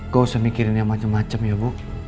gak usah mikirin yang macem macem ya bu